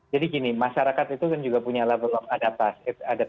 jadi gini masyarakat itu kan juga punya level of adaptasi